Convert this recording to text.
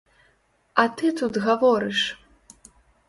А ты тут гаворыш!